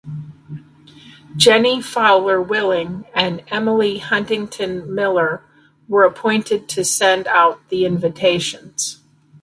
Jennie Fowler Willing and Emily Huntington Miller were appointed to send out the invitations.